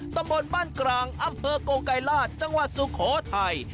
ตำบลบ้านกลางอำเภอกงไกรราชจังหวัดสุโขทัย